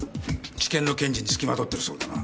地検の検事につきまとってるそうだな？